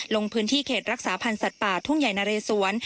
ลงพื้นที่เขตรักษาพันธ์สัตว์ป่าทุ่งใหญ่นะเรสวน